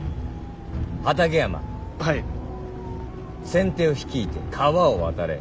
先手を率いて川を渡れ。